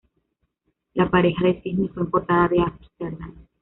La pareja de cisnes fue importada de Ámsterdam.